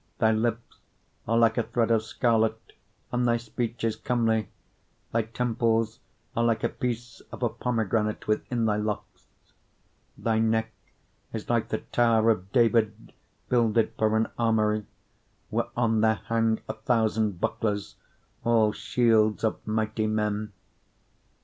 4:3 Thy lips are like a thread of scarlet, and thy speech is comely: thy temples are like a piece of a pomegranate within thy locks. 4:4 Thy neck is like the tower of David builded for an armoury, whereon there hang a thousand bucklers, all shields of mighty men.